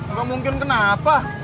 nggak mungkin kenapa